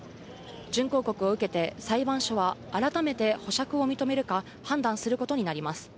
準抗告を受けて、裁判所は改めて保釈を認めるか判断することになります。